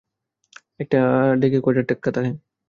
একটা ডেকে কয়ডা টেক্কা থাহে?